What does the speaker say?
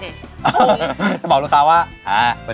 เราจะบอกลูกค้าว่าอะรับใจ